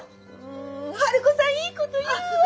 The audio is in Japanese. ん春子さんいいこと言うわ！